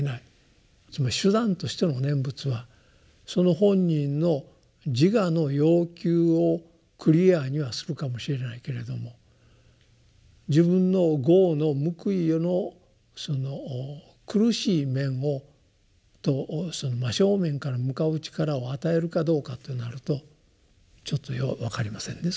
つまり手段としての念仏はその本人の自我の要求をクリアにはするかもしれないけれども自分の業の報いへのその苦しい面と真正面から向かう力を与えるかどうかとなるとちょっとよう分かりませんね